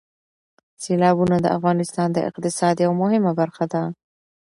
سیلابونه د افغانستان د اقتصاد یوه مهمه برخه ده.